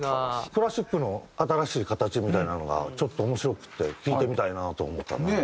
クラシックの新しい形みたいなのがちょっと面白くて聴いてみたいなと思ったな。